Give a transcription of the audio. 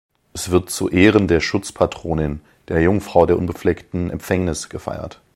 Es wird zu Ehren der Schutzpatronin, der „Jungfrau der unbefleckten Empfängnis“ gefeiert.